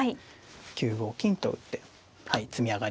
９五金と打ってはい詰み上がりますね。